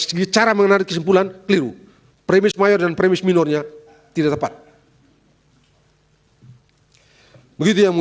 segi cara mengenali kesimpulan keliru premis mayor dan premis minornya tidak tepat begitu yang